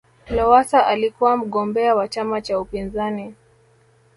lowasa alikuwa mgombea wa chama cha upinzani